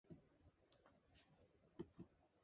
Paschen was born in Schwerin, Mecklenburg-Schwerin.